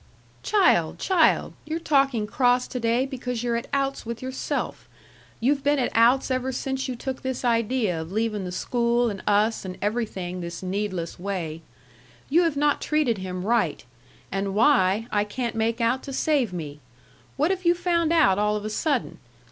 "Child, child, you're talking cross to day because you're at outs with yourself. You've been at outs ever since you took this idea of leaving the school and us and everything this needless way. You have not treated him right. And why, I can't make out to save me. What have you found out all of a sudden?